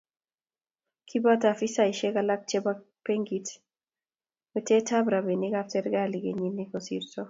kiboto afisaisiek alak chebo benkit metetab robinikab serikali kenyi ne kosirto